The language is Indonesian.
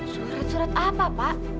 surat surat apa pak